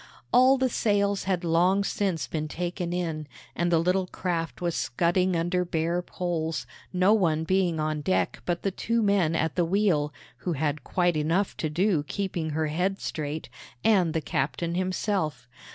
All the sails had long since been taken in, and the little craft was scudding under bare poles, no one being on deck but the two men at the wheel (who had quite enough to do keeping her head straight) and the captain himself.